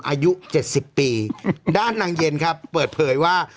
อายุ๗๐ปีด้านนางเย็นครับเปิดเผยว่า